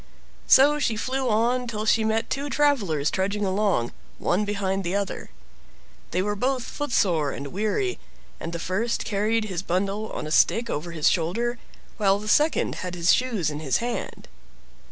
So she flew on till she met two travelers trudging along, one behind the other. They were both foot sore and weary, and the first carried his bundle on a stick over his shoulder, while the second had his shoes in his hand.